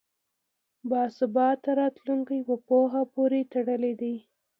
باثباته راتلونکی په پوهه پورې تړلی دی.